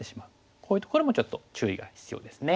こういうところもちょっと注意が必要ですね。